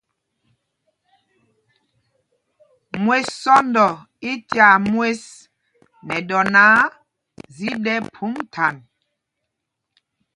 Mwes sɔ́ndɔ i tyaa mwes nɛ dɔ náǎ, zi ɗɛ́ phûm thand.